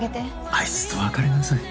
あいつと別れなさい。